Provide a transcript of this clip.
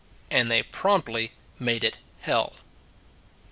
And they promptly made it Hell.